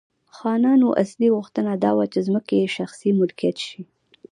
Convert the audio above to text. خانانو اصلي غوښتنه دا وه چې ځمکې یې شخصي ملکیت شي.